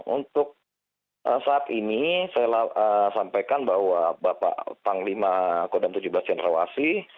untuk saat ini saya sampaikan bahwa bapak panglima kodam tujuh belas cendrawasi